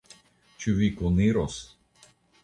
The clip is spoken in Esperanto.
Ĉu vi kuniros?